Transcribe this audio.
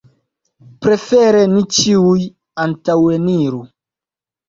Prefere ni ĉiuj antaŭeniru.